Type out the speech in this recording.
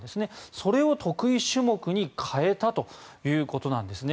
それを得意種目に変えたということなんですね。